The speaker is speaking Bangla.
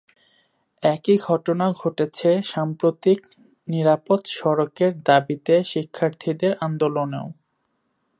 একই ঘটনা ঘটেছে সাম্প্রতিক নিরাপদ সড়কের দাবিতে শিক্ষার্থীদের আন্দোলনেও।